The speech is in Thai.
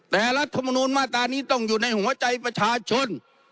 แต่รัฐมนูลมาตรานี้ต้องอยู่ในหัวใจประชาชน